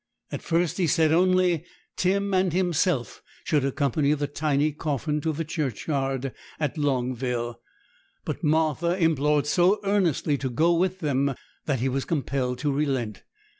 At first he said only Tim and himself should accompany the tiny coffin to the churchyard at Longville; but Martha implored so earnestly to go with them, that he was compelled to relent.